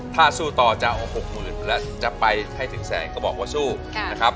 ถ้าสู้ต่อจะเอา๖๐๐๐แล้วจะไปให้ถึงแสนก็บอกว่าสู้นะครับ